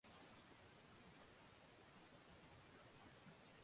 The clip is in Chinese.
这部电影也改编自他在小联盟的经历。